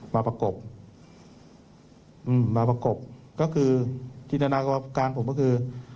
ประกบมาประกบก็คือจินตนาการผมก็คือ